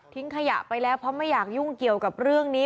ขยะไปแล้วเพราะไม่อยากยุ่งเกี่ยวกับเรื่องนี้